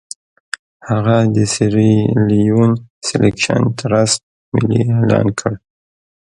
هغه د سیریلیون سیلکشن ټرست ملي اعلان کړ.